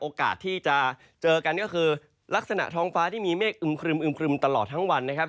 โอกาสที่จะเจอกันก็คือลักษณะท้องฟ้าที่มีเมฆอึมครึมครึมตลอดทั้งวันนะครับ